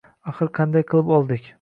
Axir qanday qilib oldik